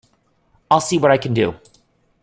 I'll see what I can do.